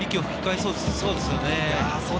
そうですね。